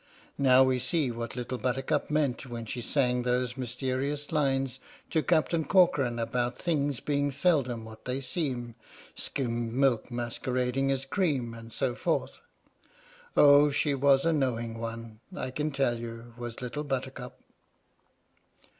Now we see what Little Buttercup meant when she sang those mysterious lines to Captain Corcoran about things being seldom what they seem, skim milk masquerading as cream, and so forth. Oh, 121 R H.M.S. "PINAFORE" she was a knowing one, I can tell you, was Little Buttercup!